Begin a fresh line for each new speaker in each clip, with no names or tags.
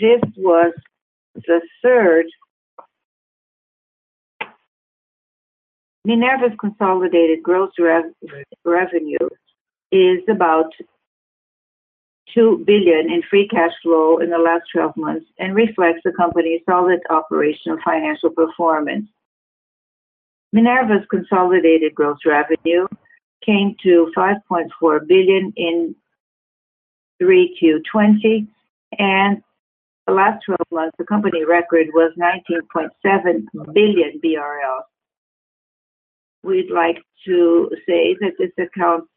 This was the third. Minerva's consolidated gross revenue is about 2 billion in free cash flow in the last 12 months and reflects the company's solid operational financial performance. Minerva's consolidated gross revenue came to 5.4 billion in 3Q 2020, and the last 12 months, the company record was 19.7 billion BRL. We'd like to say that this accounts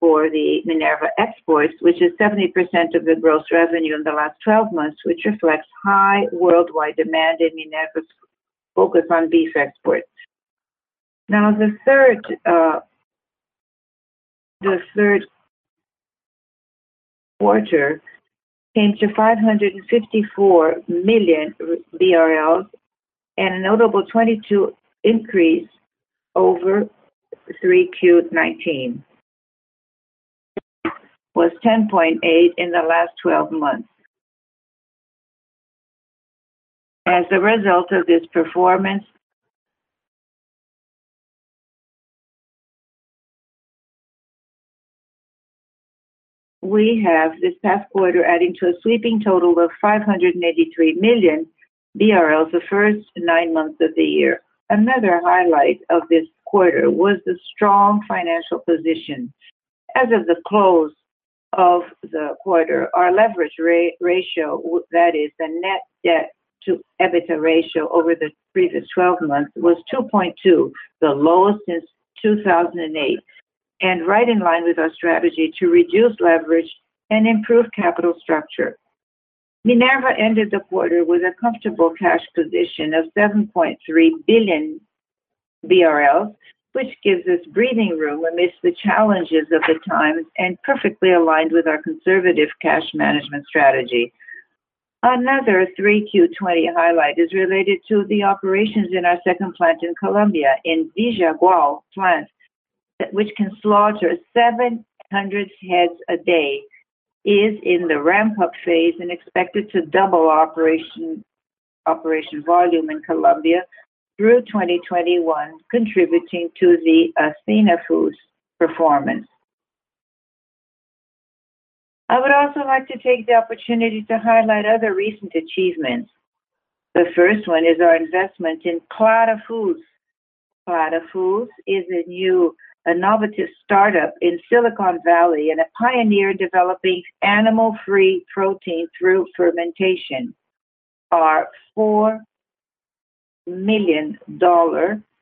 for the Minerva exports, which is 70% of the gross revenue in the last 12 months, which reflects high worldwide demand in Minerva's focus on beef exports. The third quarter came to 554 million BRL and a notable 22% increase over 3Q 2019, was 10.8% in the last 12 months. As a result of this performance, we have this past quarter adding to a sweeping total of 583 million BRL the first nine months of the year. Another highlight of this quarter was the strong financial position. As of the close of the quarter, our leverage ratio, that is the net debt to EBITDA ratio over the previous 12 months, was 2.2, the lowest since 2008, and right in line with our strategy to reduce leverage and improve capital structure. Minerva Foods ended the quarter with a comfortable cash position of 7.3 billion BRL, which gives us breathing room amidst the challenges of the times and perfectly aligned with our conservative cash management strategy. Another 3Q 2020 highlight is related to the operations in our second plant in Colombia, in Vijagual plant, which can slaughter 700 heads a day, is in the ramp-up phase and expected to double operation volume in Colombia through 2021, contributing to the Athena Foods performance. I would also like to take the opportunity to highlight other recent achievements. The first one is our investment in Clara Foods. Clara Foods is a new innovative startup in Silicon Valley and a pioneer in developing animal-free protein through fermentation. Our BRL 4 million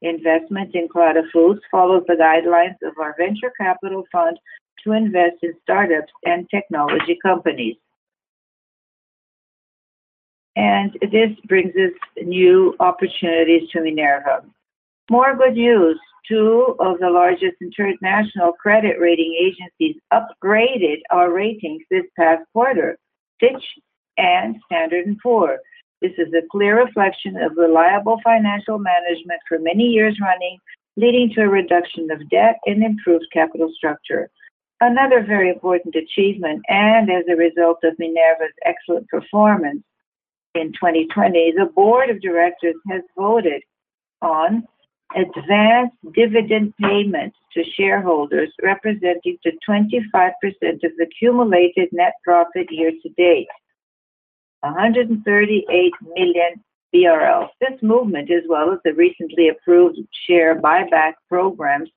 investment in Clara Foods follows the guidelines of our venture capital fund to invest in startups and technology companies. This brings us new opportunities to Minerva. More good news. Two of the largest international credit rating agencies upgraded our ratings this past quarter, Fitch and Standard & Poor's. This is a clear reflection of reliable financial management for many years running, leading to a reduction of debt and improved capital structure. Another very important achievement, and as a result of Minerva's excellent performance in 2020, the board of directors has voted on advanced dividend payments to shareholders, representing the 25% of accumulated net profit year-to-date, 138 million BRL. This movement, as well as the recently approved share buyback programs,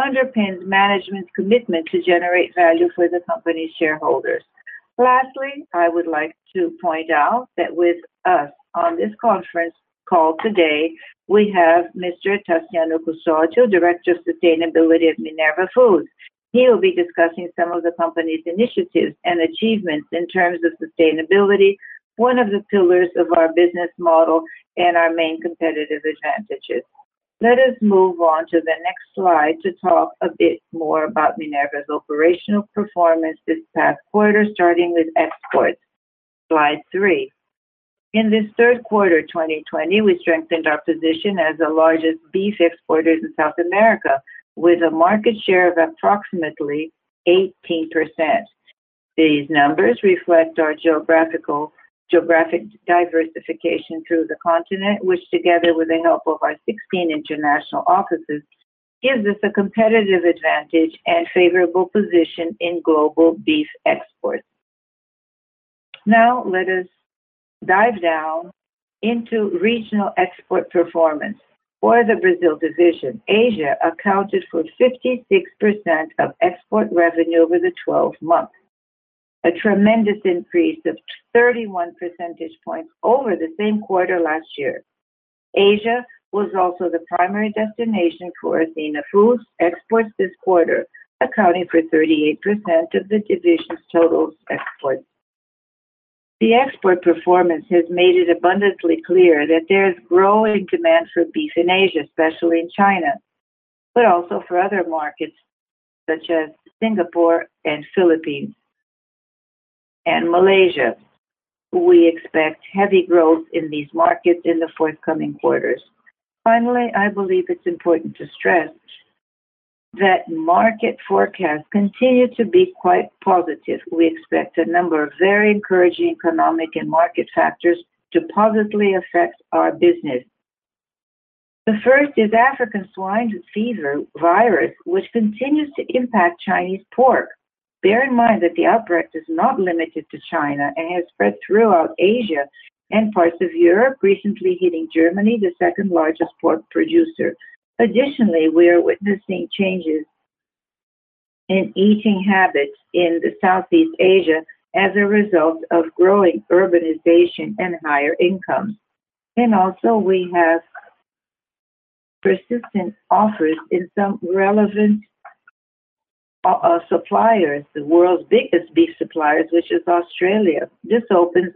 underpins management's commitment to generate value for the company's shareholders. I would like to point out that with us on this conference call today, we have Mr. Taciano Custódio, Director of Sustainability of Minerva Foods. He will be discussing some of the company's initiatives and achievements in terms of sustainability, one of the pillars of our business model and our main competitive advantages. Let us move on to the next slide to talk a bit more about Minerva's operational performance this past quarter, starting with exports. Slide three. In this third quarter 2020, we strengthened our position as the largest beef exporter in South America with a market share of approximately 18%. These numbers reflect our geographic diversification through the continent, which together with the help of our 16 international offices, gives us a competitive advantage and favorable position in global beef exports. Now let us dive down into regional export performance. For the Brazil division, Asia accounted for 56% of export revenue over the 12 months, a tremendous increase of 31 percentage points over the same quarter last year. Asia was also the primary destination for Athena Foods exports this quarter, accounting for 38% of the division's total exports. The export performance has made it abundantly clear that there's growing demand for beef in Asia, especially in China, but also for other markets such as Singapore and Philippines and Malaysia. We expect heavy growth in these markets in the forthcoming quarters. Finally, I believe it's important to stress that market forecasts continue to be quite positive. We expect a number of very encouraging economic and market factors to positively affect our business. The first is African swine fever virus, which continues to impact Chinese pork. Bear in mind that the outbreak is not limited to China and has spread throughout Asia and parts of Europe, recently hitting Germany, the second-largest pork producer. We are witnessing changes in eating habits in Southeast Asia as a result of growing urbanization and higher incomes. We have persistent offers in some relevant suppliers, the world's biggest beef suppliers, which is Australia. This opens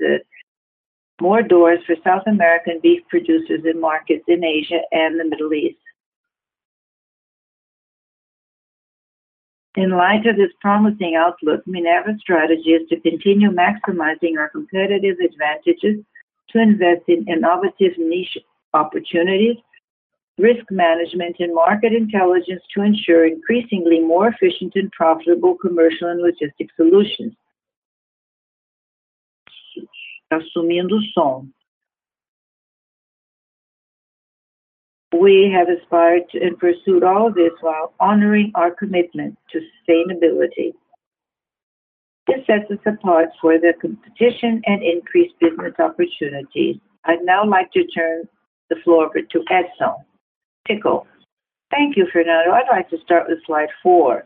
more doors for South American beef producers in markets in Asia and the Middle East. In light of this promising outlook, Minerva's strategy is to continue maximizing our competitive advantages to invest in innovative niche opportunities, risk management, and market intelligence to ensure increasingly more efficient and profitable commercial and logistic solutions. We have aspired to and pursued all this while honoring our commitment to sustainability. This sets us apart for the competition and increased business opportunities. I'd now like to turn the floor over to Edison Ticle.
Thank you, Fernando. I'd like to start with slide four.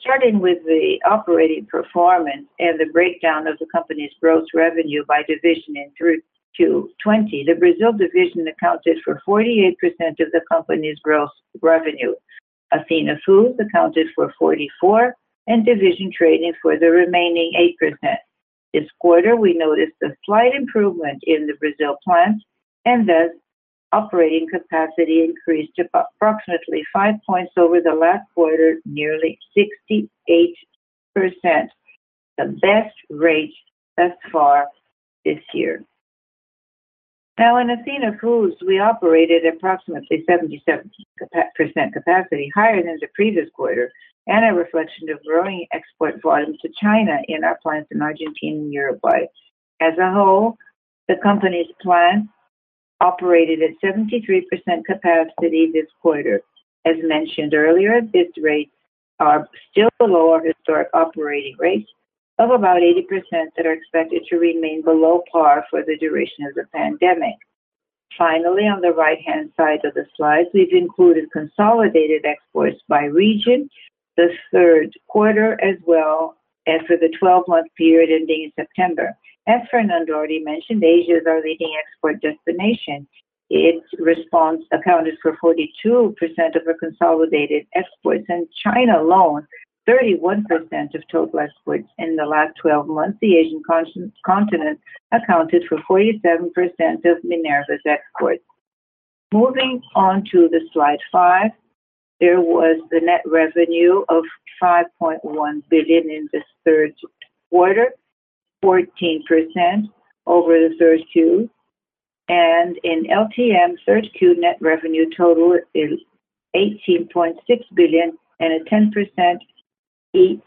Starting with the operating performance and the breakdown of the company's gross revenue by division in Q3 2020, the Brazil Division accounted for 48% of the company's gross revenue. Athena Foods accounted for 44%, and Division Trading for the remaining 8%. This quarter, we noticed a slight improvement in the Brazil plant, and thus operating capacity increased approximately five points over the last quarter, nearly 68%, the best rate thus far this year. Now, in Athena Foods, we operated approximately 77% capacity, higher than the previous quarter, and a reflection of growing export volumes to China in our plants in Argentina and Uruguay. As a whole, the company's plants operated at 73% capacity this quarter. As mentioned earlier, these rates are still below our historic operating rates of about 80%, that are expected to remain below par for the duration of the pandemic. Finally, on the right-hand side of the slide, we've included consolidated exports by region the third quarter as well as for the 12-month period ending in September. As Fernando already mentioned, Asia is our leading export destination. Its response accounted for 42% of our consolidated exports, and China alone, 31% of total exports. In the last 12 months, the Asian continent accounted for 47% of Minerva's exports. Moving on to slide five, there was the net revenue of 5.1 billion in this third quarter, 14% over the Q3. In LTM, Q3 net revenue total is 18.6 billion and a 10%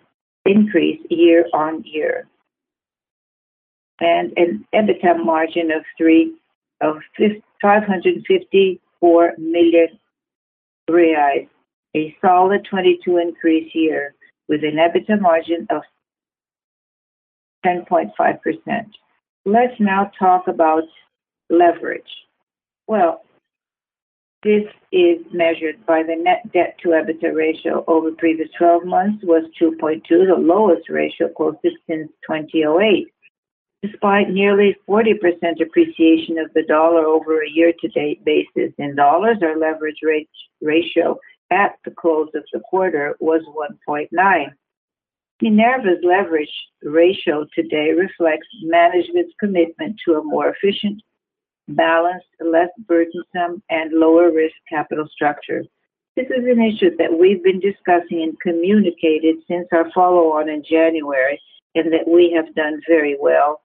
increase year-on-year. An EBITDA margin of 554 million reais. A solid 22% increase year, with an EBITDA margin of 10.5%. Let's now talk about leverage. Well, this is measured by the net debt to EBITDA ratio over previous 12 months was 2.2, the lowest ratio quoted since 2008. Despite nearly 40% appreciation of the dollar over a year-to-date basis in dollars, our leverage ratio at the close of the quarter was 1.9. Minerva's leverage ratio today reflects management's commitment to a more efficient, balanced, less burdensome, and lower-risk capital structure. This is an issue that we've been discussing and communicated since our follow-on in January, that we have done very well,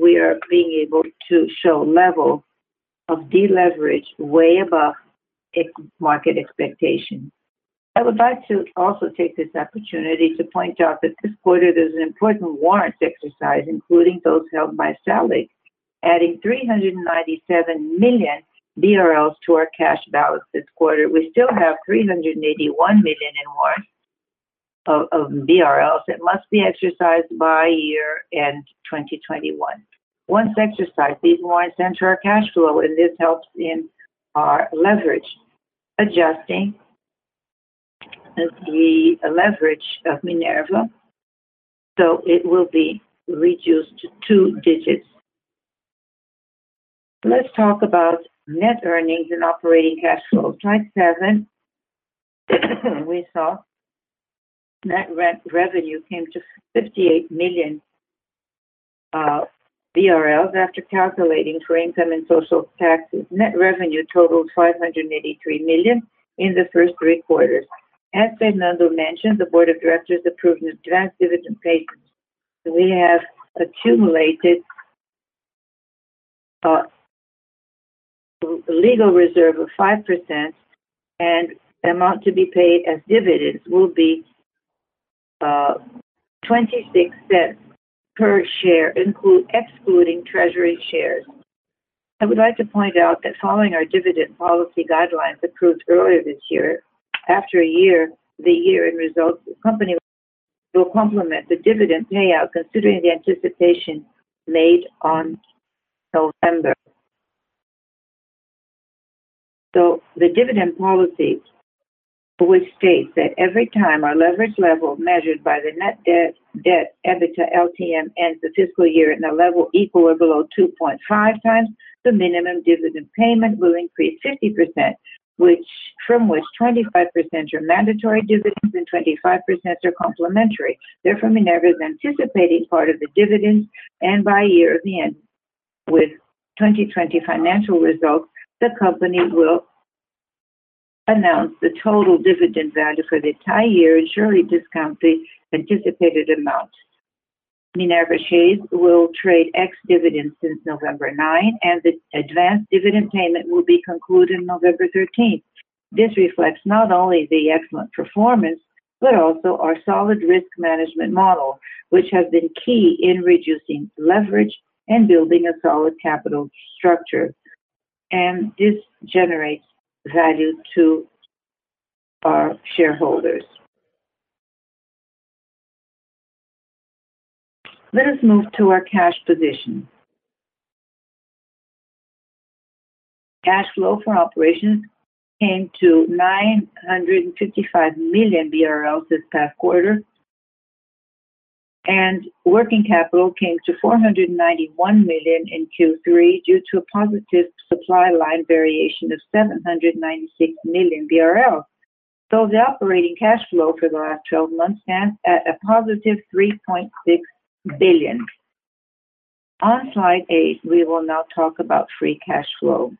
we are being able to show level of deleverage way above market expectation. I would like to also take this opportunity to point out that this quarter, there is an important warrants exercise, including those held by SALIC, adding 397 million to our cash balance this quarter. We still have 381 million in warrants that must be exercised by year-end 2021. Once exercised, these warrants enter our cash flow. This helps in our leverage adjusting the leverage of Minerva, so it will be reduced to two digits. Let's talk about net earnings and operating cash flow. Slide seven. We saw net revenue came to 58 million BRL after calculating for income and social taxes. Net revenue totaled 583 million in the first three quarters. As Fernando mentioned, the board of directors approved an advanced dividend payment. We have accumulated a legal reserve of 5%. The amount to be paid as dividends will be 0.26 per share, excluding treasury shares. I would like to point out that following our dividend policy guidelines approved earlier this year, after a year, the year-end results, the company will complement the dividend payout considering the anticipation made on November. The dividend policy, which states that every time our leverage level measured by the net debt, EBITDA, LTM, ends the fiscal year at a level equal or below 2.5 times, the minimum dividend payment will increase 50%, from which 25% are mandatory dividends and 25% are complementary. Therefore, Minerva is anticipating part of the dividends, and by year-end, with 2020 financial results, the company will announce the total dividend value for the entire year and surely discount the anticipated amount. Minerva shares will trade ex-dividend since November 9, and the advanced dividend payment will be concluded November 13th. This reflects not only the excellent performance, but also our solid risk management model, which has been key in reducing leverage and building a solid capital structure. This generates value to our shareholders. Let us move to our cash position. Cash flow from operations came to 955 million BRL this past quarter. Working capital came to 491 million BRL in Q3 due to a positive supply line variation of 796 million BRL. The operating cash flow for the last 12 months stands at a positive 3.6 billion BRL. On slide eight, we will now talk about free cash flow.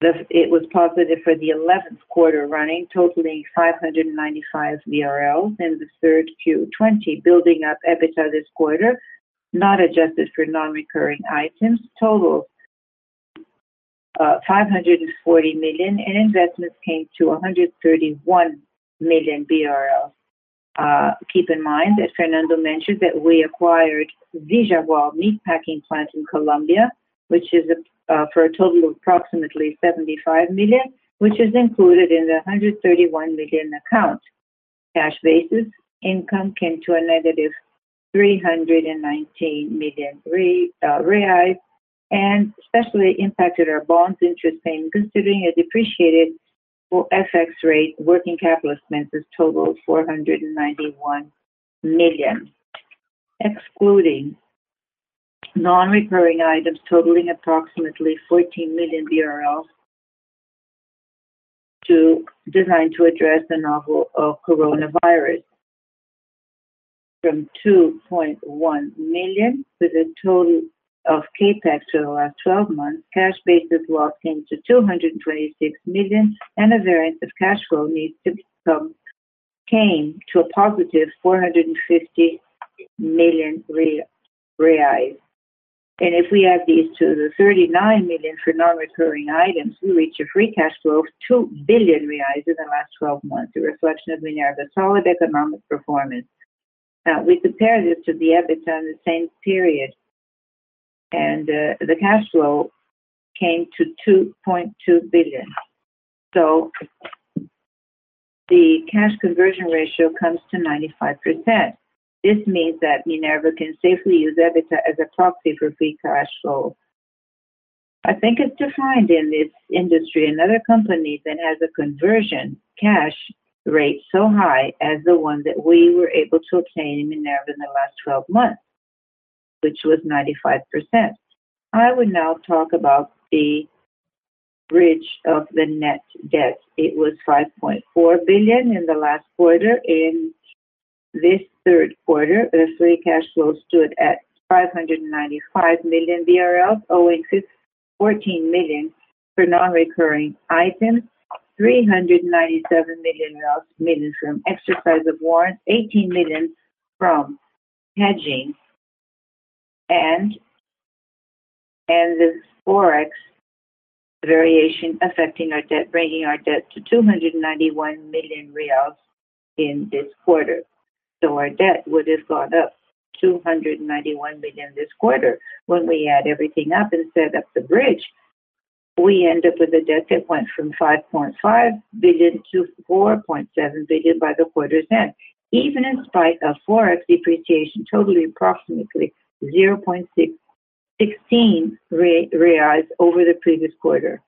It was positive for the 11th quarter running, totaling 595 BRL in 3Q 2020, building up EBITDA this quarter, not adjusted for non-recurring items, total 540 million BRL, and investments came to 131 million BRL. Keep in mind that Fernando mentioned that we acquired Frigorífico Vijagual S.A.S. in Colombia, which is for a total of approximately 75 million, which is included in the 131 million account. Cash basis income came to a negative 319 million reais and especially impacted our bonds interest payment. Considering a depreciated FX rate, working capital expenses totaled 491 million. Excluding non-recurring items totaling approximately 14 million BRL designed to address the novel coronavirus. From 2.1 million with a total of CapEx for the last 12 months, cash basis loss came to 226 million, and a variance of cash flow needs came to a positive 450 million reais. If we add these to the 39 million for non-recurring items, we reach a free cash flow of 2 billion reais in the last 12 months, a reflection of Minerva's solid economic performance. Now we compare this to the EBITDA in the same period, and the cash flow came to 2.2 billion. The cash conversion ratio comes to 95%. This means that Minerva can safely use EBITDA as a proxy for free cash flow. I think it's defined in this industry and other companies that has a conversion cash rate so high as the one that we were able to obtain in Minerva in the last 12 months, which was 95%. I will now talk about the bridge of the net debt. It was 5.4 billion in the last quarter. In this third quarter, the free cash flow stood at 595 million BRL, owing to 14 million for non-recurring items, 397 million mainly from exercise of warrants, 18 million from hedging, and the Forex variation affecting our debt, bringing our debt to BRL 291 million in this quarter. Our debt would have gone up 291 million this quarter. When we add everything up and set up the bridge, we end up with a debt that went from 5.5 billion to 4.7 billion by the quarter's end, even in spite of Forex depreciation totaling approximately 0.16 reais over the previous quarter.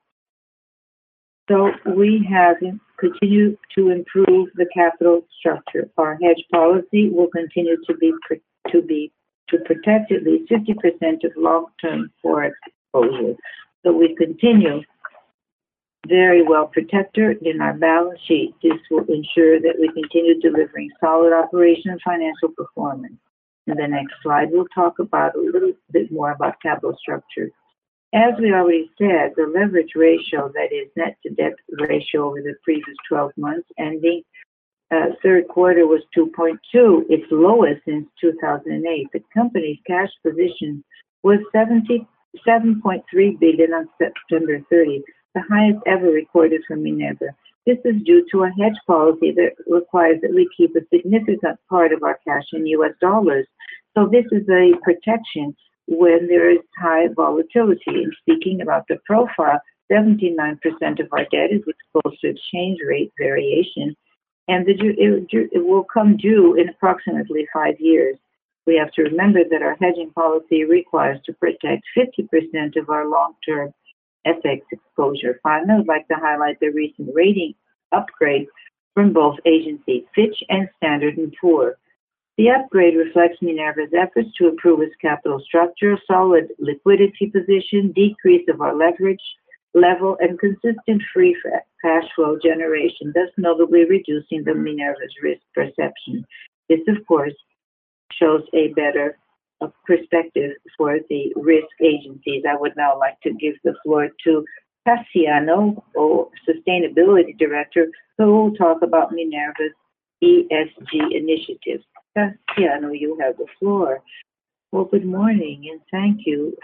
We have continued to improve the capital structure. Our hedge policy will continue to protect at least 50% of long-term Forex exposure. We continue very well protected in our balance sheet. This will ensure that we continue delivering solid operation and financial performance. In the next slide, we'll talk about a little bit more about capital structure. As we already said, the leverage ratio, that is net-to-debt ratio over the previous 12 months ending third quarter, was 2.2, its lowest since 2008. The company's cash position was $7.3 billion on September 30, the highest ever recorded from Minerva. This is due to a hedge policy that requires that we keep a significant part of our cash in US dollars. This is a protection when there is high volatility. Speaking about the profile, 79% of our debt is exposed to exchange rate variation, and it will come due in approximately 5 years. We have to remember that our hedging policy requires to protect 50% of our long-term FX exposure. Finally, I'd like to highlight the recent rating upgrade from both agencies, Fitch and Standard & Poor's. The upgrade reflects Minerva's efforts to improve its capital structure, solid liquidity position, decrease of our leverage level, and consistent free cash flow generation, thus notably reducing Minerva's risk perception. This, of course, shows a better perspective for the risk agencies. I would now like to give the floor to Taciano, our sustainability director, who will talk about Minerva's ESG initiatives. Taciano, you have the floor.
Well, good morning, and thank you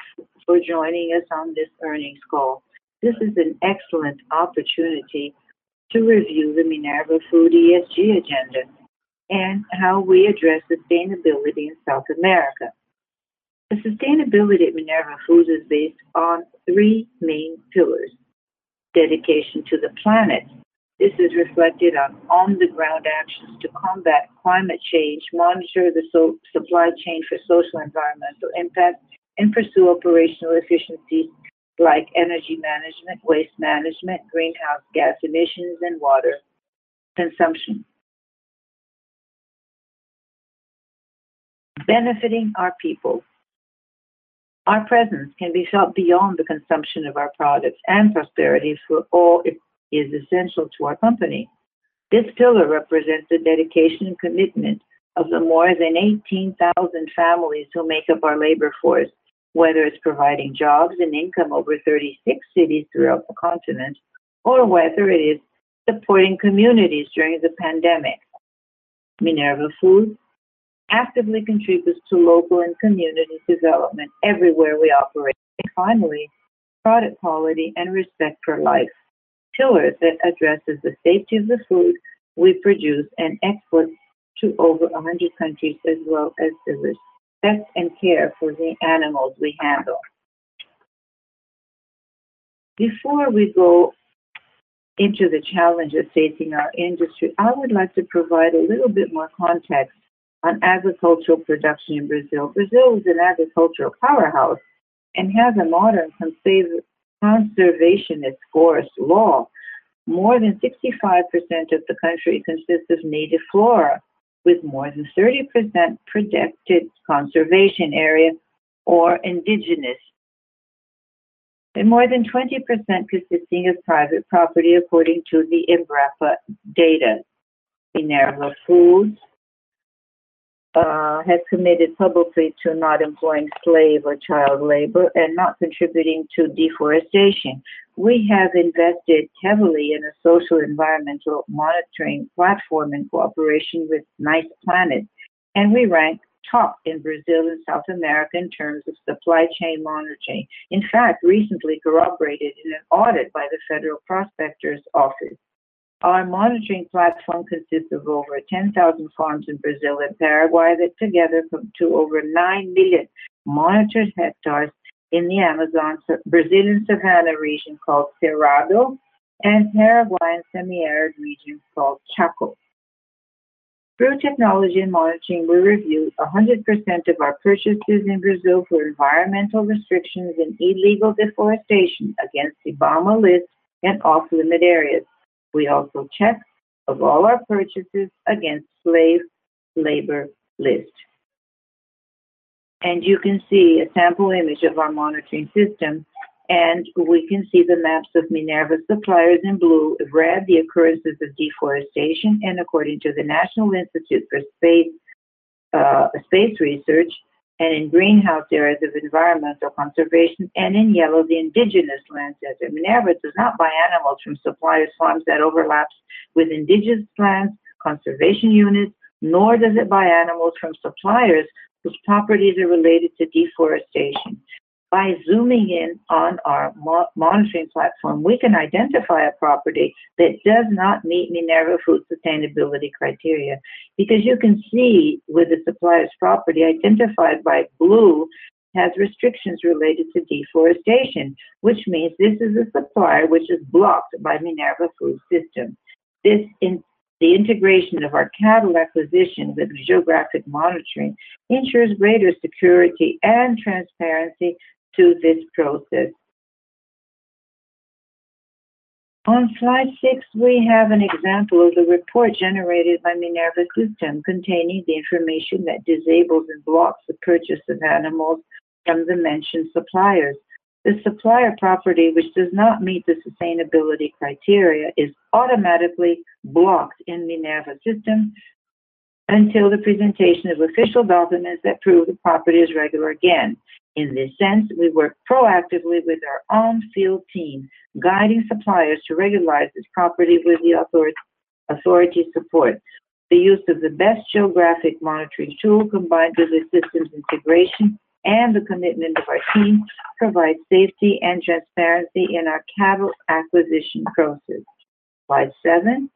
for joining us on this earnings call. This is an excellent opportunity to review the Minerva Foods ESG agenda and how we address sustainability in South America. The sustainability at Minerva Foods is based on three main pillars. Dedication to the planet. This is reflected on ground actions to combat climate change, monitor the supply chain for social environmental impact, and pursue operational efficiency like energy management, waste management, greenhouse gas emissions, and water consumption. Benefiting our people. Our presence can be felt beyond the consumption of our products. Prosperity for all is essential to our company. This pillar represents the dedication and commitment of the more than 18,000 families who make up our labor force, whether it's providing jobs and income over 36 cities throughout the continent, or whether it is supporting communities during the pandemic. Minerva Foods actively contributes to local and community development everywhere we operate. Finally, product quality and respect for life, a pillar that addresses the safety of the food we produce and export to over 100 countries as well as the respect and care for the animals we handle. Before we go into the challenges facing our industry, I would like to provide a little bit more context on agricultural production in Brazil. Brazil is an agricultural powerhouse and has a modern conservationist forest law. More than 65% of the country consists of native flora, with more than 30% protected conservation area or indigenous, and more than 20% consisting of private property according to the Embrapa data. Minerva Foods has committed publicly to not employing slave or child labor and not contributing to deforestation. We have invested heavily in a social environmental monitoring platform in cooperation with NICEPLANET, and we rank top in Brazil and South America in terms of supply chain monitoring. In fact, recently corroborated in an audit by the Federal Prosecutor's Office. Our monitoring platform consists of over 10,000 farms in Brazil and Paraguay that together come to over 9 million monitored hectares in the Amazon, Brazilian savanna region called Cerrado, and Paraguayan semi-arid region called Chaco. Through technology and monitoring, we review 100% of our purchases in Brazil for environmental restrictions and illegal deforestation against the IBAMA list and off-limit areas. We also check all our purchases against slave labor lists. You can see a sample image of our monitoring system, we can see the maps of Minerva suppliers in blue, red the occurrences of deforestation, according to the National Institute for Space Research, in green areas of environmental conservation, and in yellow, the indigenous lands. Minerva does not buy animals from supplier farms that overlaps with indigenous lands, conservation units, nor does it buy animals from suppliers whose properties are related to deforestation. By zooming in on our monitoring platform, we can identify a property that does not meet Minerva Foods sustainability criteria. Because you can see with the supplier's property identified by blue, has restrictions related to deforestation, which means this is a supplier which is blocked by Minerva Foods system. The integration of our cattle acquisitions with geographic monitoring ensures greater security and transparency to this process. On slide six, we have an example of the report generated by Minerva Foods system containing the information that disables and blocks the purchase of animals from the mentioned suppliers. The supplier property which does not meet the sustainability criteria is automatically blocked in Minerva Foods system. Until the presentation of official documents that prove the property is regular again. In this sense, we work proactively with our own field team, guiding suppliers to regularize this property with the authority support. The use of the best geographic monitoring tool, combined with the system's integration, and the commitment of our team, provides safety and transparency in our cattle acquisition process. Slide seven.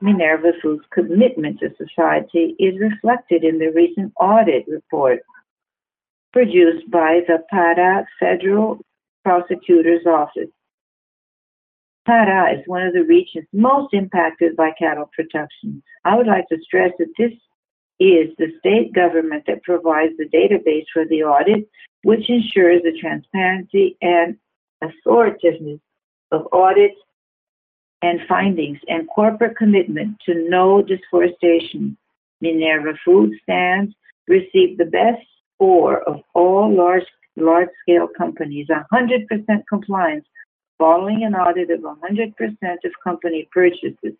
Minerva Foods' commitment to society is reflected in the recent audit report produced by the Pará Federal Prosecutor's Office. Pará is one of the regions most impacted by cattle production. I would like to stress that this is the state government that provides the database for the audit, which ensures the transparency and authoritativeness of audits and findings, and corporate commitment to no deforestation. Minerva Foods received the best score of all large scale companies, 100% compliance, following an audit of 100% of company purchases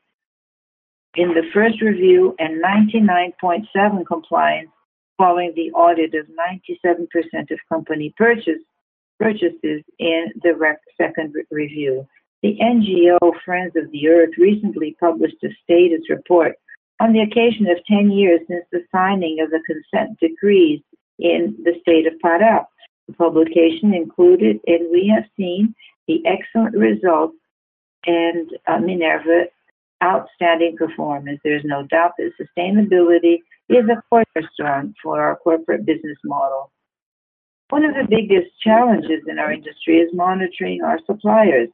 in the first review, and 99.7% compliance following the audit of 97% of company purchases in the second review. The NGO Friends of the Earth recently published a status report on the occasion of 10 years since the signing of the consent decrees in the state of Pará. The publication included, and we have seen, the excellent results and Minerva outstanding performance. There's no doubt that sustainability is a cornerstone for our corporate business model. One of the biggest challenges in our industry is monitoring our suppliers,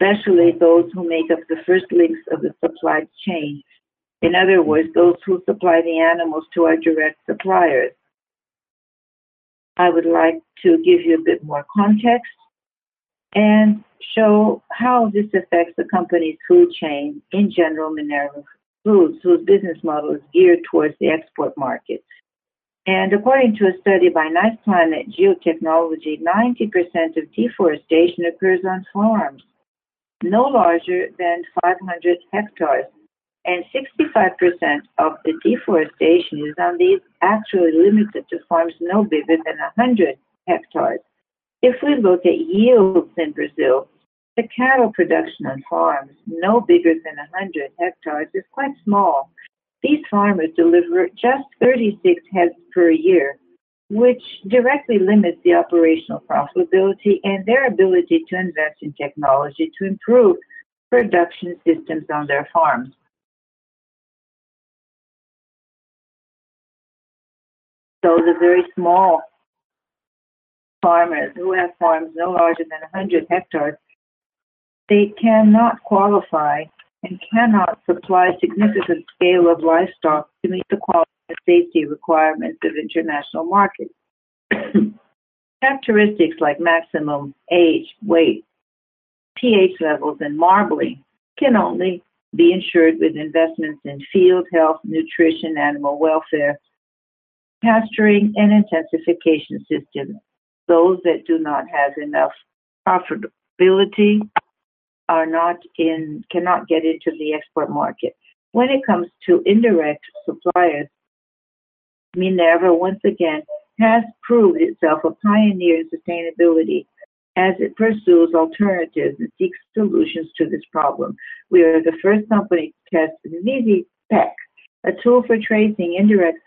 especially those who make up the first links of the supply chain. In other words, those who supply the animals to our direct suppliers. I would like to give you a bit more context and show how this affects the company's food chain. In general, Minerva Foods, whose business model is geared towards the export market. According to a study by NICEPLANET, 90% of deforestation occurs on farms no larger than 500 hectares, and 65% of the deforestation is on these actually limited to farms no bigger than 100 hectares. If we look at yields in Brazil, the cattle production on farms no bigger than 100 hectares is quite small. These farmers deliver just 36 heads per year, which directly limits the operational profitability and their ability to invest in technology to improve production systems on their farms. The very small farmers who have farms no larger than 100 hectares, they cannot qualify and cannot supply significant scale of livestock to meet the quality and safety requirements of international markets. Characteristics like maximum age, weight, pH levels, and marbling can only be ensured with investments in field health, nutrition, animal welfare, pasturing, and intensification systems. Those that do not have enough profitability cannot get into the export market. When it comes to indirect suppliers, Minerva, once again, has proved itself a pioneer in sustainability as it pursues alternatives and seeks solutions to this problem. We are the first company to test the Visipec, a tool for tracing indirect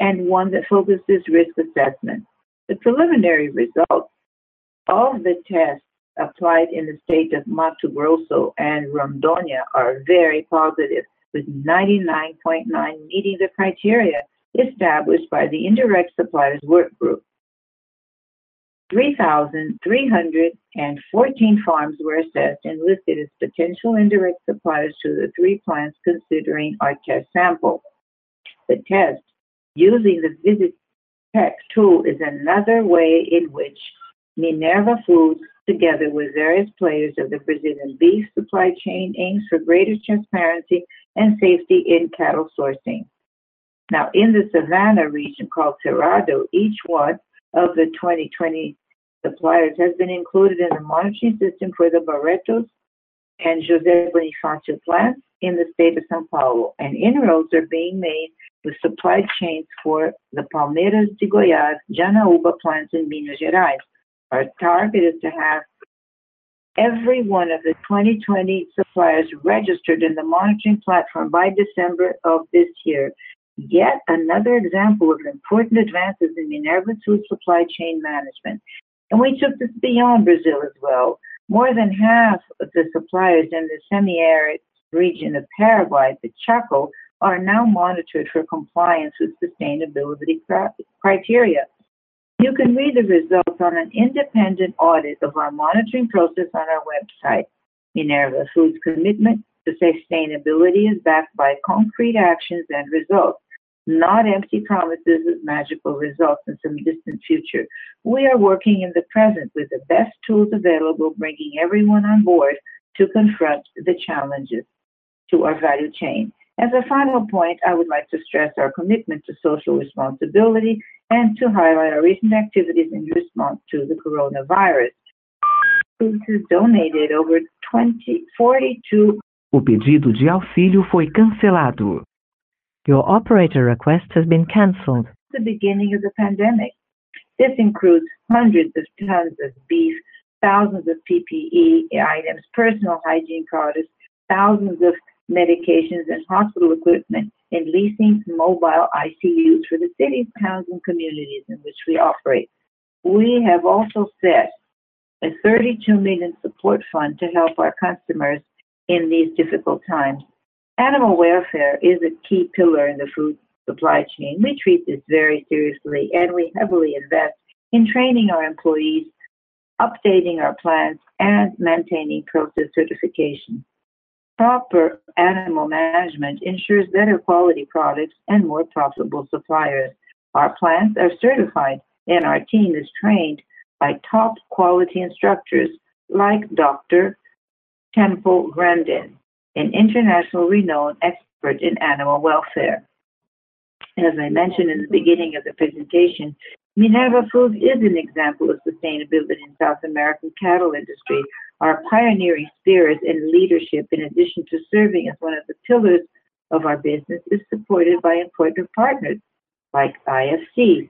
suppliers and one that focuses risk assessment. The preliminary results of the tests applied in the state of Mato Grosso and Rondônia are very positive, with 99.9 meeting the criteria established by the indirect suppliers work group. 3,314 farms were assessed and listed as potential indirect suppliers to the three plants considering our test sample. The test using the Visipec tool is another way in which Minerva Foods, together with various players of the Brazilian beef supply chain, aims for greater transparency and safety in cattle sourcing. Now, in the Savannah region called Cerrado, each one of the 2020 suppliers has been included in a monitoring system for the Barretos and José Bonifácio plants in the state of São Paulo, and inroads are being made with supply chains for the Palmeiras de Goiás, Janaúba plants in Minas Gerais. Our target is to have every one of the 2020 suppliers registered in the monitoring platform by December of this year. Yet another example of important advances in Minerva Foods' supply chain management. We took this beyond Brazil as well. More than half of the suppliers in the semi-arid region of Paraguay, the Chaco, are now monitored for compliance with sustainability criteria. You can read the results on an independent audit of our monitoring process on our website. Minerva Foods' commitment to sustainability is backed by concrete actions and results, not empty promises with magical results in some distant future. We are working in the present with the best tools available, bringing everyone on board to confront the challenges to our value chain. As a final point, I would like to stress our commitment to social responsibility and to highlight our recent activities in response to the Coronavirus since the beginning of the pandemic. This includes hundreds of tons of beef, thousands of PPE items, personal hygiene products, thousands of medications and hospital equipment, and leasing mobile ICUs for the cities, towns, and communities in which we operate. We have also set a 32 million support fund to help our customers in these difficult times. Animal welfare is a key pillar in the food supply chain. We treat this very seriously, we heavily invest in training our employees, updating our plants, and maintaining process certification. Proper animal management ensures better quality products and more profitable suppliers. Our plants are certified, our team is trained by top quality instructors like Dr. Temple Grandin, an internationally renowned expert in animal welfare. As I mentioned in the beginning of the presentation, Minerva Foods is an example of sustainability in South American cattle industry. Our pioneering spirit and leadership, in addition to serving as one of the pillars of our business, is supported by important partners like IFC,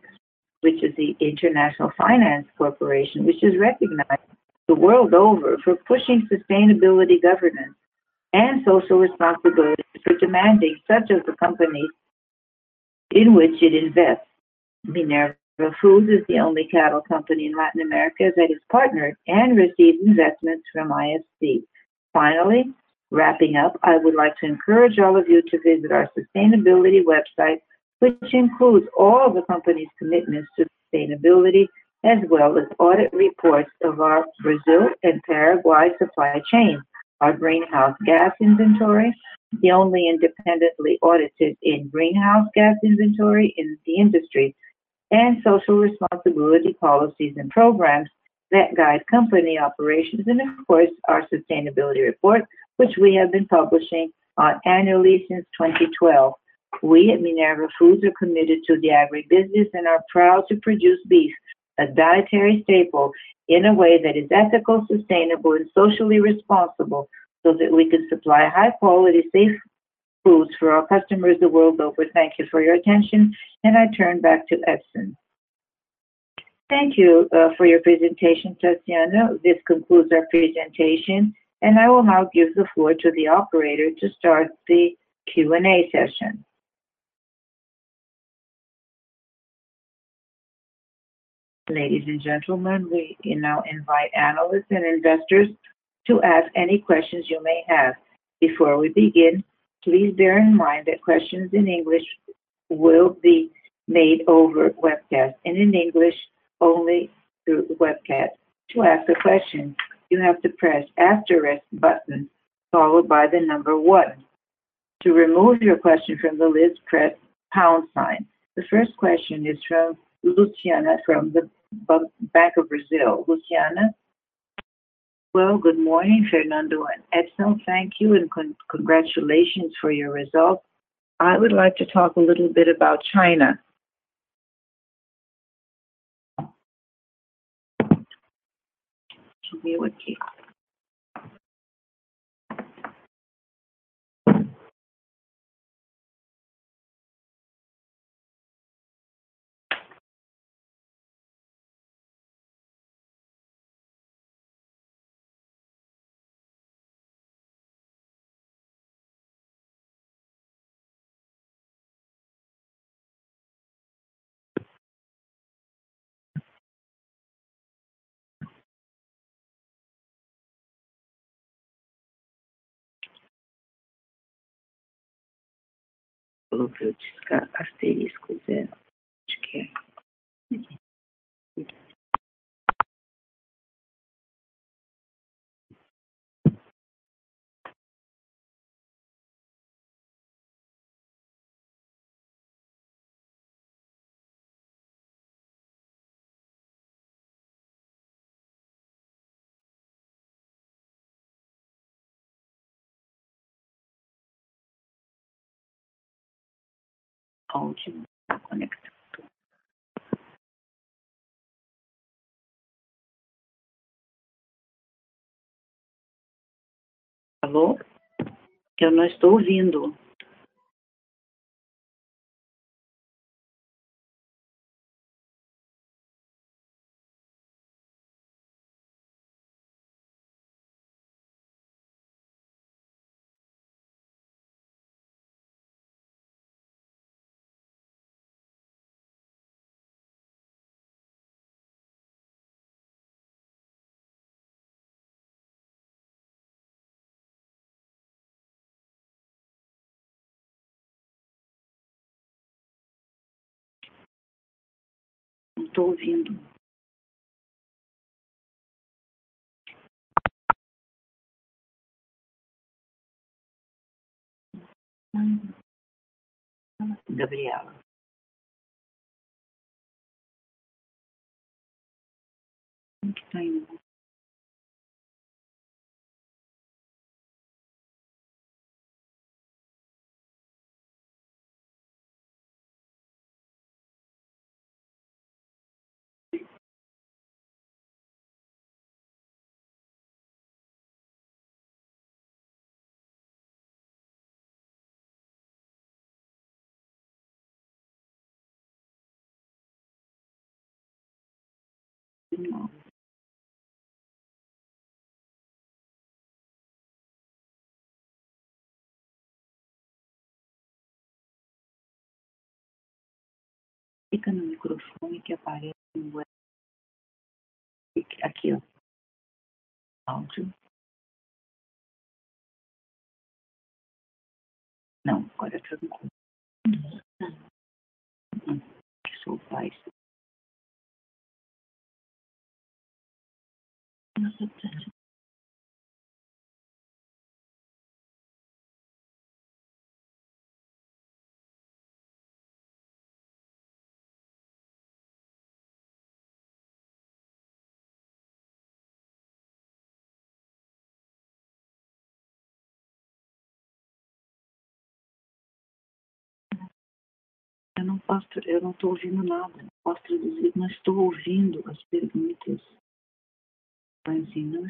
which is the International Finance Corporation, which is recognized the world over for pushing sustainability, governance, and social responsibility for demanding such of the companies in which it invests. Minerva Foods is the only cattle company in Latin America that is partnered and received investments from IFC. Finally, wrapping up, I would like to encourage all of you to visit our sustainability website, which includes all the company's commitments to sustainability, as well as audit reports of our Brazil and Paraguay supply chain, our greenhouse gas inventory, the only independently audited greenhouse gas inventory in the industry, and social responsibility policies and programs that guide company operations, and of course, our sustainability report, which we have been publishing annually since 2012. We at Minerva Foods are committed to the agribusiness and are proud to produce beef, a dietary staple, in a way that is ethical, sustainable, and socially responsible so that we can supply high-quality, safe foods for our customers the world over. Thank you for your attention. I turn back to Edison.
Thank you for your presentation, Taciano. This concludes our presentation, and I will now give the floor to the operator to start the Q&A session.
Ladies and gentlemen, we now invite analysts and investors to ask any questions you may have. Before we begin, please bear in mind that questions in English will be made over webcast and in English only through the webcast. To ask a question, you have to press asterisk button followed by the number one. To remove your question from the list, press pound sign. The first question is from Luciana from Banco do Brasil. Luciana?
Well, good morning, Fernando and Edison. Thank you and congratulations for your results. I would like to talk a little bit about China.
They already have the expectation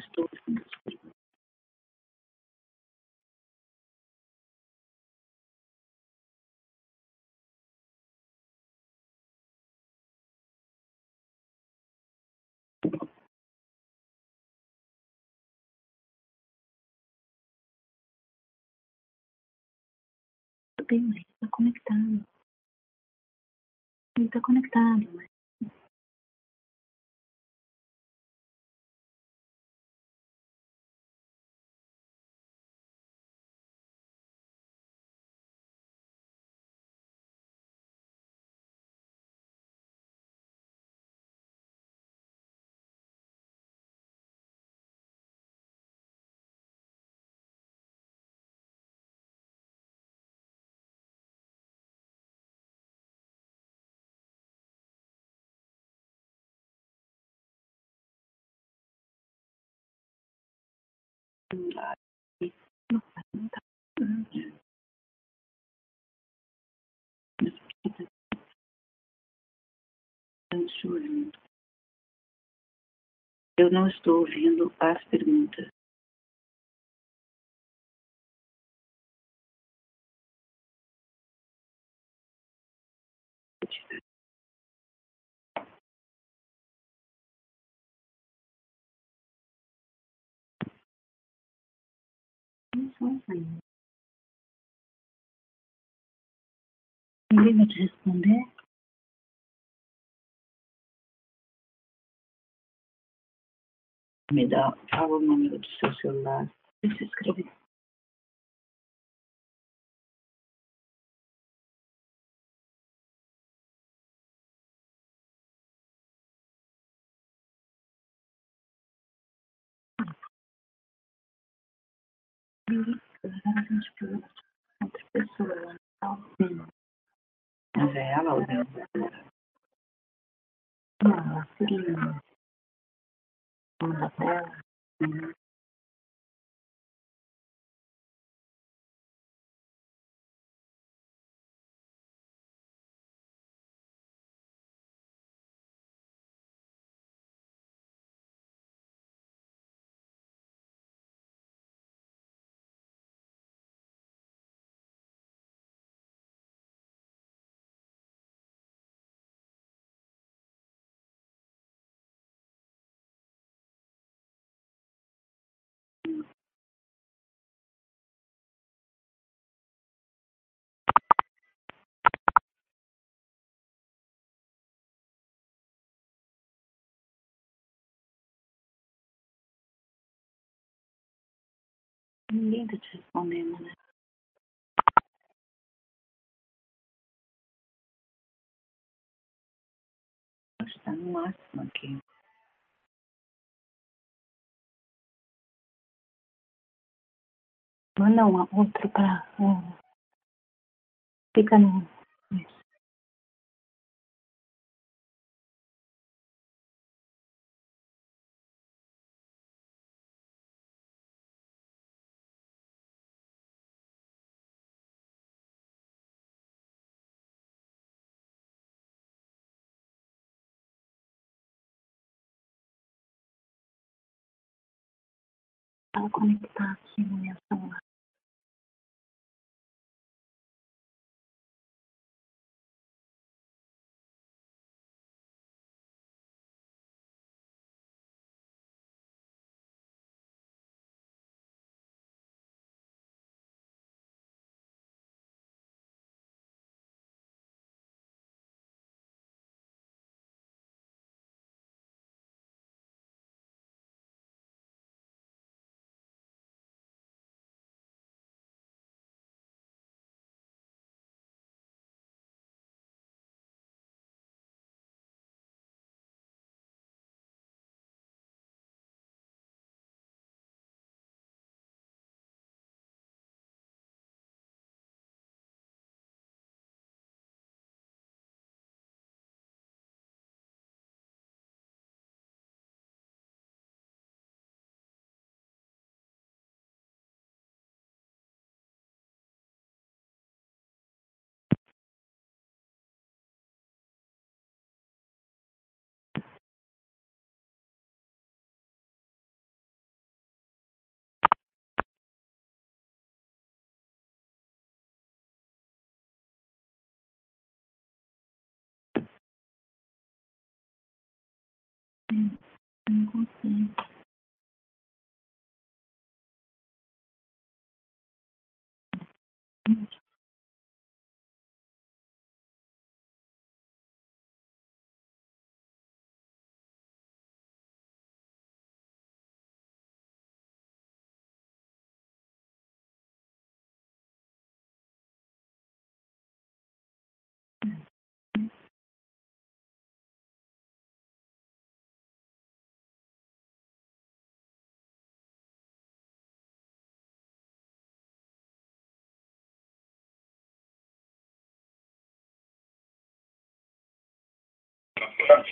of this third quarter. We were very close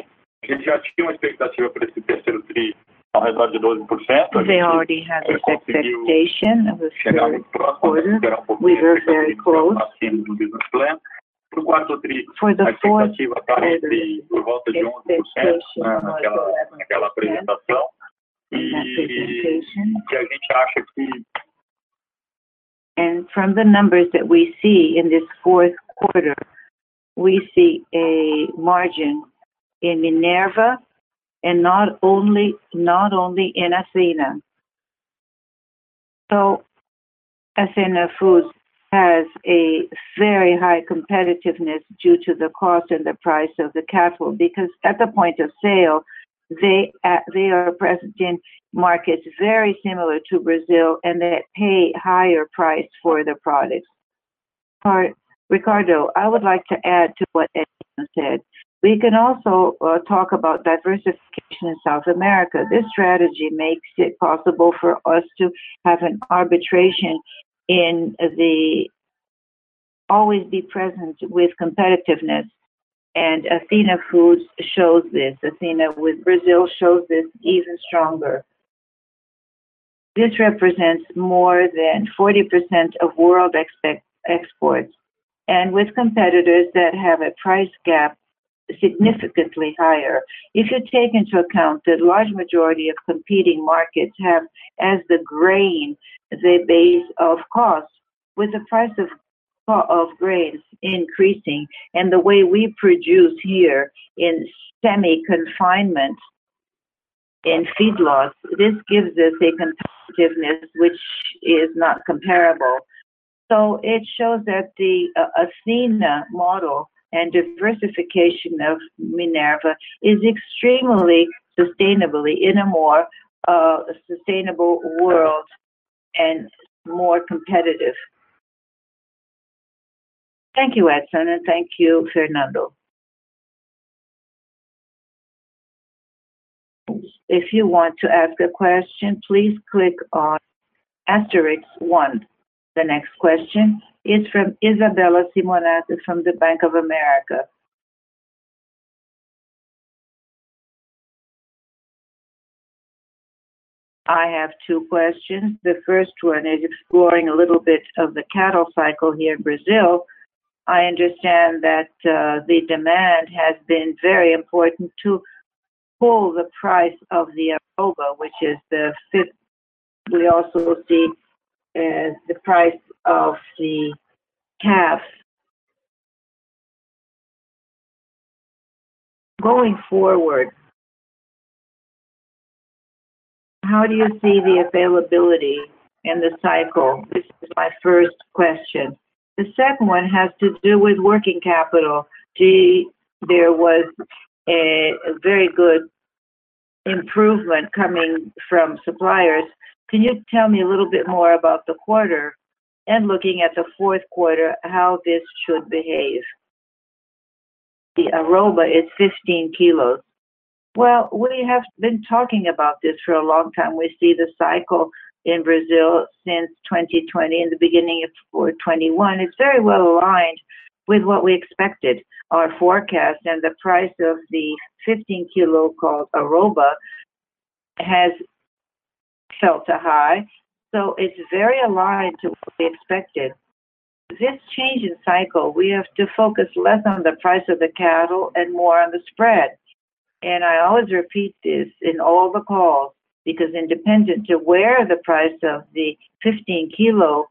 from the numbers that we see in this fourth quarter, we see a margin in Minerva and not only in Athena. Athena Foods has a very high competitiveness due to the cost and the price of the cattle, because at the point of sale, they are present in markets very similar to Brazil, and they pay higher price for the products.
Ricardo, I would like to add to what Edison said. We can also talk about diversification in South America. This strategy makes it possible for us to have an arbitration and always be present with competitiveness. Athena Foods shows this. Athena with Brazil shows this even stronger. This represents more than 40% of world exports and with competitors that have a price gap significantly higher. If you take into account that large majority of competing markets have as the grain, the base of cost, with the price of grains increasing and the way we produce here in semi-confinement and feedlots, this gives us a competitiveness which is not comparable. It shows that the Athena model and diversification of Minerva is extremely sustainable in a more sustainable world and more competitive.
Thank you, Edison, and thank you, Fernando.
If you want to ask a question, please click on asterisk 1. The next question is from Isabella Simonato from the Bank of America.
I have two questions. The first one is exploring a little bit of the cattle cycle here in Brazil. I understand that the demand has been very important to pull the price of the arroba, which is the fifth. We also see the price of the calf. Going forward, how do you see the availability in the cycle? This is my first question. The second one has to do with working capital. There was a very good improvement coming from suppliers. Can you tell me a little bit more about the quarter and looking at the fourth quarter, how this should behave? The arroba is 15 kilos.
Well, we have been talking about this for a long time. We see the cycle in Brazil since 2020 and the beginning of 2021. It's very well aligned with what we expected. Our forecast and the price of the 15-kilo called arroba has felt a high. It's very aligned to what we expected. This change in cycle, we have to focus less on the price of the cattle and more on the spread. I always repeat this in all the calls because independent of where the price of the 15-kilo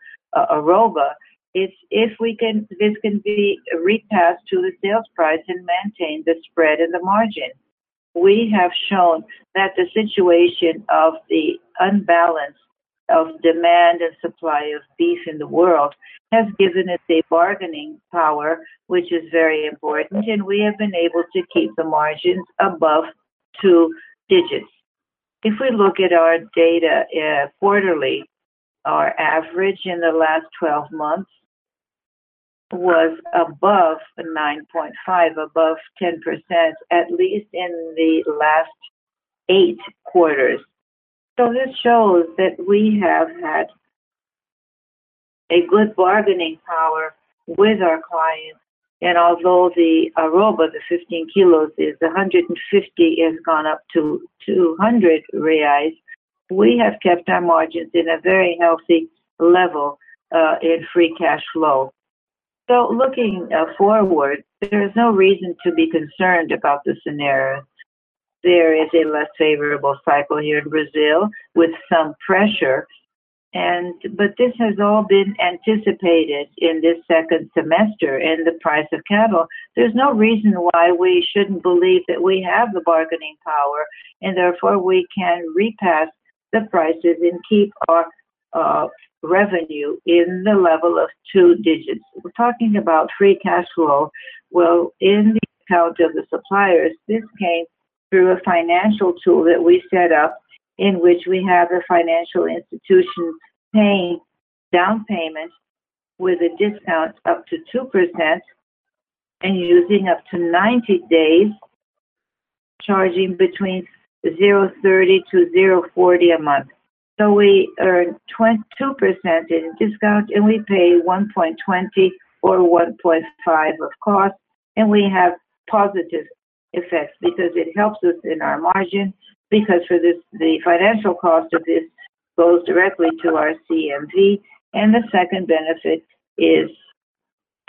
arroba is, if this can be repassed to the sales price and maintain the spread and the margin. We have shown that the situation of the imbalance of demand and supply of beef in the world has given us a bargaining power, which is very important, and we have been able to keep the margins above two digits. If we look at our data quarterly, our average in the last 12 months was above 9.5%, above 10%, at least in the last eight quarters. This shows that we have had a good bargaining power with our clients. Although the arroba, the 15 kilos, is 150, has gone up to 200 reais. We have kept our margins in a very healthy level in free cash flow. Looking forward, there is no reason to be concerned about the scenario. There is a less favorable cycle here in Brazil with some pressure, this has all been anticipated in this second semester in the price of cattle. There's no reason why we shouldn't believe that we have the bargaining power, and therefore, we can repass the prices and keep our revenue in the level of two digits. We're talking about free cash flow. Well, in the account of the suppliers, this came through a financial tool that we set up in which we have the financial institutions paying down payment with a discount up to 2% and using up to 90 days, charging between 0.30%-0.40% a month. We earn 2% in discount and we pay 1.20 or 1.5 of cost, and we have positive effects because it helps us in our margin, because the financial cost of this goes directly to our CMV. The second benefit is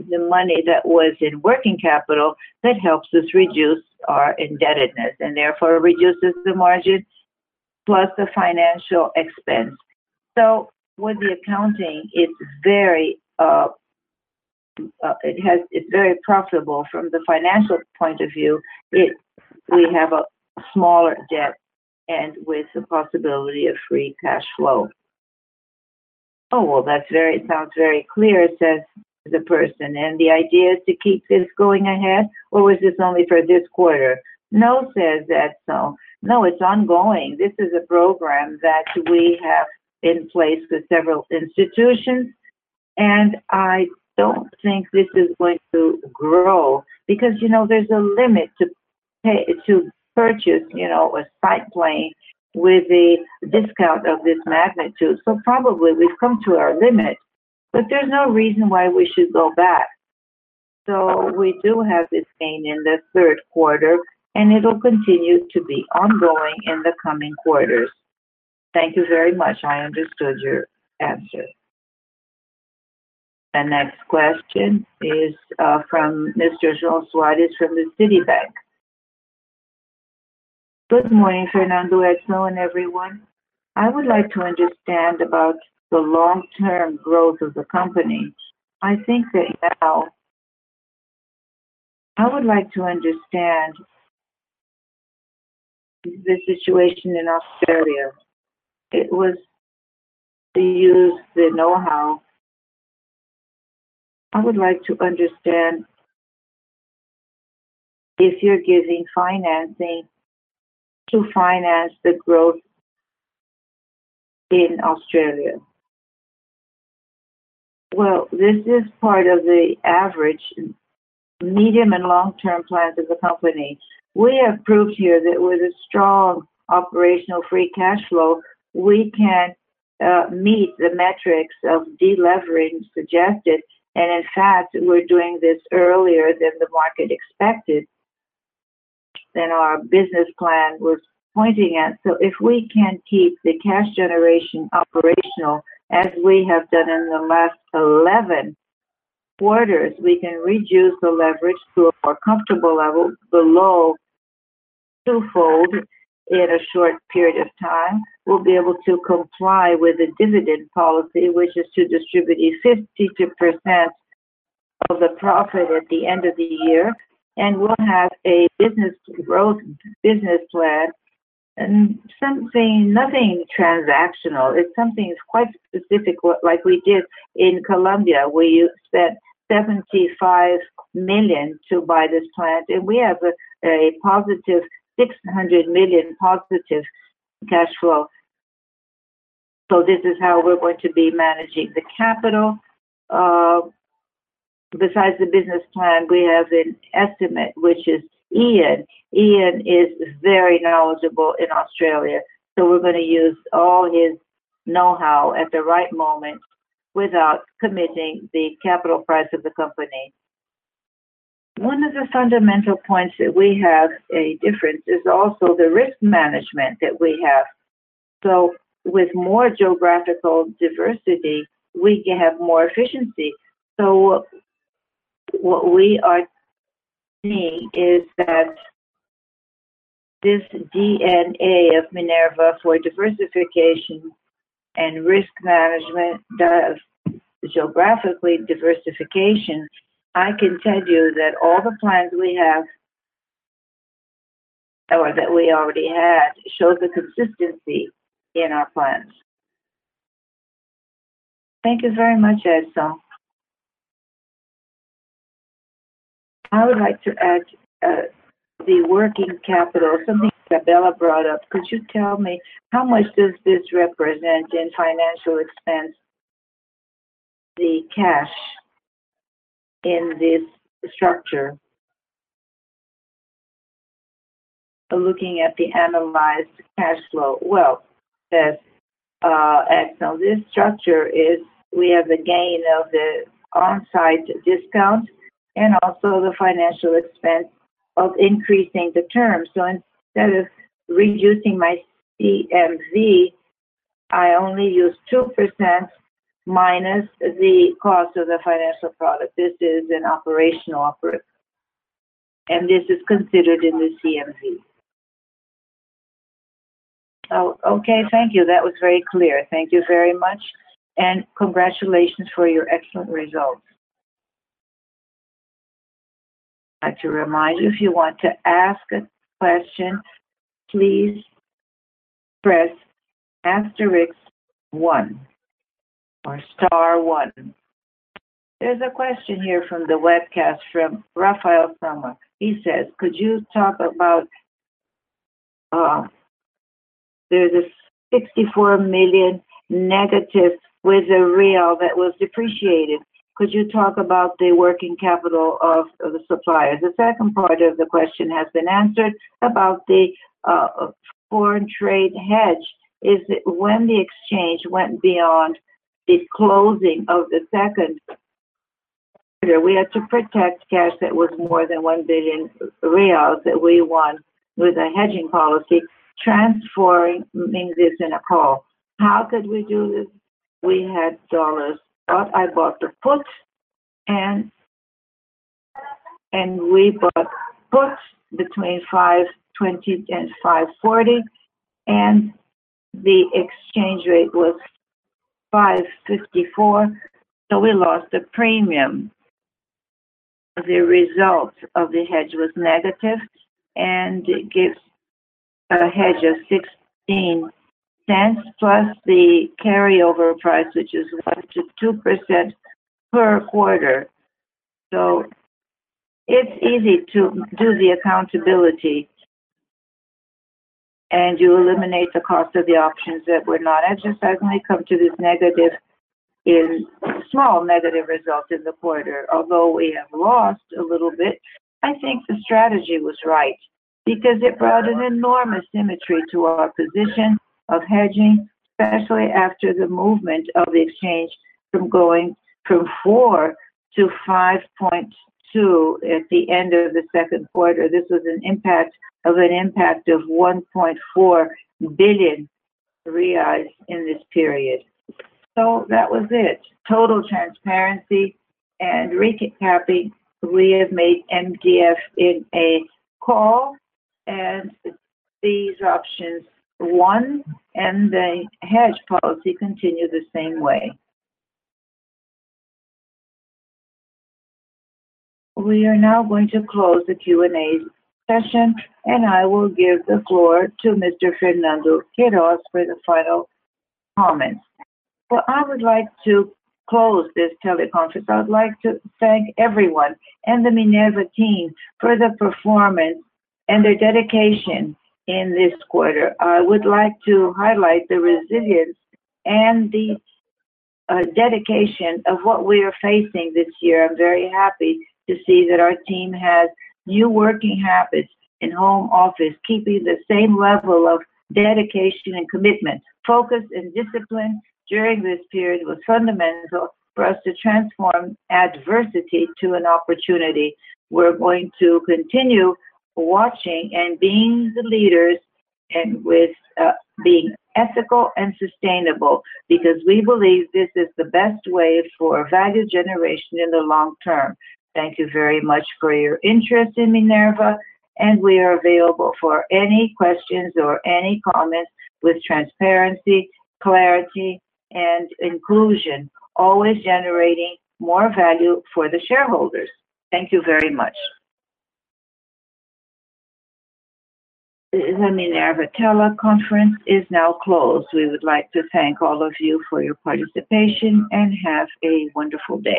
the money that was in working capital that helps us reduce our indebtedness, and therefore reduces the margin plus the financial expense. With the accounting, it's very profitable from the financial point of view. We have a smaller debt and with the possibility of free cash flow. Oh, well, that sounds very clear, says the person. The idea is to keep this going ahead? Or was this only for this quarter? No, says Edison. No, it's ongoing. This is a program that we have in place with several institutions. I don't think this is going to grow because there's a limit to purchase a site plane with a discount of this magnitude. Probably we've come to our limit. There's no reason why we should go back. We do have this gain in the third quarter, and it'll continue to be ongoing in the coming quarters.
Thank you very much. I understood your answer.
The next question is from João Soares from the Citibank.
Good morning, Fernando, Edison and everyone. I would like to understand about the long-term growth of the company. I would like to understand the situation in Australia. It was to use the know-how. I would like to understand if you're giving financing to finance the growth in Australia.
This is part of the average medium and long-term plans of the company. We have proved here that with a strong operational free cash flow, we can meet the metrics of deleveraging suggested. In fact, we're doing this earlier than the market expected, than our business plan was pointing at. If we can keep the cash generation operational as we have done in the last 11 quarters, we can reduce the leverage to a more comfortable level below twofold in a short period of time. We'll be able to comply with the dividend policy, which is to distribute 52% of the profit at the end of the year. We'll have a business growth, business plan and nothing transactional. It's something quite specific like we did in Colombia, where you spent 75 million to buy this plant, and we have a +600 million positive cash flow. This is how we're going to be managing the capital. Besides the business plan, we have an estimate, which is Ian. Ian is very knowledgeable in Australia, so we're going to use all his know-how at the right moment without committing the capital price of the company. One of the fundamental points that we have a difference is also the risk management that we have. With more geographical diversity, we can have more efficiency. What we are seeing is that this DNA of Minerva for diversification and risk management does geographically diversification. I can tell you that all the plans we have or that we already had show the consistency in our plans.
Thank you very much, Edison. I would like to add the working capital, something that Bella brought up. Could you tell me how much does this represent in financial expense, the cash in this structure, looking at the analyzed cash flow?
Well, excellent. This structure is, we have the gain of the on-site discount and also the financial expense of increasing the term. Instead of reducing my CMV, I only use 2% minus the cost of the financial product. This is an operational offer. This is considered in the CMV.
Okay, thank you. That was very clear. Thank you very much, and congratulations for your excellent results.
I'd like to remind you, if you want to ask a question, please press asterisk one or star one. There's a question here from the webcast from Rafael Cama. He says, Could you talk about the -64 million with the Real that was depreciated? Could you talk about the working capital of the suppliers?
The second part of the question has been answered about the foreign trade hedge. When the exchange went beyond the closing of the second quarter, we had to protect cash that was more than BRL 1 billion that we won with a hedging policy, transforming this in a call. How could we do this? We had dollars. I bought the put, and we bought puts between 520 and 540, and the exchange rate was 554, so we lost the premium. The result of the hedge was negative, and it gives a hedge of 0.16+ the carryover price, which is 1%-2% per quarter. It's easy to do the accountability, and you eliminate the cost of the options that were not exercised, and I come to this small negative result in the quarter. Although we have lost a little bit, I think the strategy was right because it brought an enormous symmetry to our position of hedging, especially after the movement of the exchange from going from four to 5.2 at the end of the second quarter. This was an impact of 1.4 billion reais in this period. That was it. Total transparency and happy we have made NDF in a call, and these options, one, and the hedge policy continue the same way.
We are now going to close the Q&A session, and I will give the floor to Mr. Fernando Queiroz for the final comments.
I would like to close this teleconference. I would like to thank everyone and the Minerva team for their performance and their dedication in this quarter. I would like to highlight the resilience and the dedication of what we are facing this year. I'm very happy to see that our team has new working habits in home office, keeping the same level of dedication and commitment. Focus and discipline during this period was fundamental for us to transform adversity to an opportunity. We're going to continue watching and being the leaders and with being ethical and sustainable because we believe this is the best way for value generation in the long term. Thank you very much for your interest in Minerva, and we are available for any questions or any comments with transparency, clarity, and inclusion, always generating more value for the shareholders. Thank you very much.
The Minerva teleconference is now closed. We would like to thank all of you for your participation, and have a wonderful day.